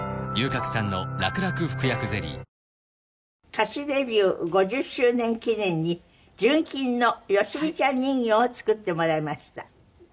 歌手デビュー５０周年記念に純金のよしみちゃん人形を作ってもらいました。